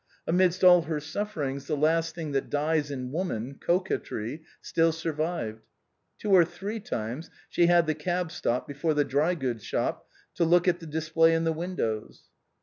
Amidst all her sufferings the last thing that dies in woman, coquetry, still survived ; two or three times she had the cab stop before the dry goods shops to look at the display in the windows.